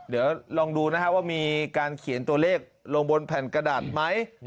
เดี๋ยวลองดูนะครับว่ามีการเขียนตัวเลขลงบนแผ่นกระดาษไหม